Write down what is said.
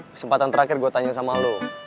kesempatan terakhir gue tanya sama lo